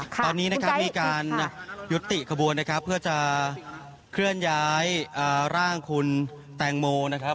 ตอนนี้มีการหยุดติกระบวนเพื่อจะเคลื่อนย้ายร่างคุณแตงโม